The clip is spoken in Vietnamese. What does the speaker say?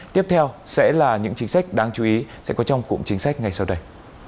tiếp theo sẽ là những chính sách đáng chú ý sẽ có trong cụm chính sách ngay sau đây